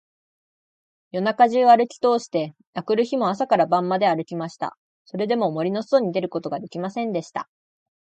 夜中じゅうあるきとおして、あくる日も朝から晩まであるきました。それでも、森のそとに出ることができませんでした。